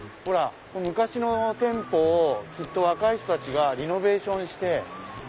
昔の店舗をきっと若い人たちがリノベーションして。